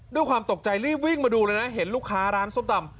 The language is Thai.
ด้วยความตกใจรีบวิ่งมาดูเลยนะเห็นลูกค้าร้านส้มตำ